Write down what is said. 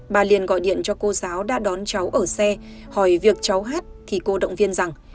bà liên gọi điện cho cô giáo đã đón cháu ở xe hỏi việc cháu hát thì cô động viên rằng